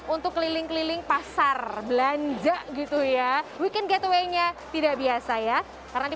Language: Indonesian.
untuk keliling keliling pasar belanja gitu ya weekend getaway nya tidak biasa ya karena